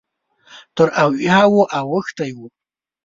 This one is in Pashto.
تر اویاوو اوښتی و.